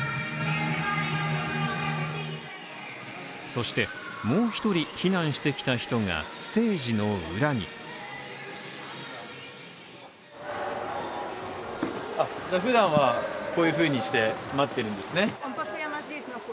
そしてもう１人、避難してきた人がステージの裏に普段はこういうふうにして待ってるんですね。